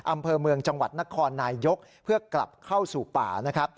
อำเภอเมืองจังหวัดนครนายยกเพื่อกลับเข้าสู่ป่านะครับ